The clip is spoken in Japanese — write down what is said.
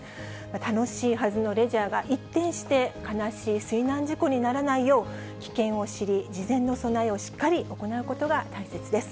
楽しいはずのレジャーが一転して悲しい水難事故にならないよう、危険を知り、事前の備えをしっかり行うことが大切です。